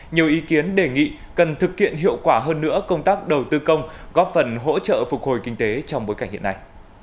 nhiều ý kiến đề nghị cần thực hiện hiệu quả hơn nữa công tác đầu tư công góp phần hỗ trợ phục hồi kinh tế trong bối cảnh hiện nay